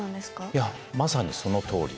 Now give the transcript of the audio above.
いやまさにそのとおり。